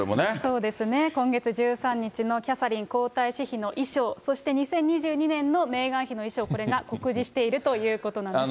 そうですね、今月１３日のキャサリン皇太子妃の衣装、そして２０２２年のメーガン妃の衣装、これが酷似しているということなんですね。